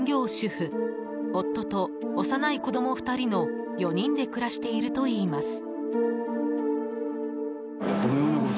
夫と幼い子供２人の４人で暮らしているといいます。